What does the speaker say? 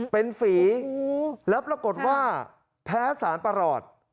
เป็นฝีแล้วปรากฏว่าแพ้สารประหลอด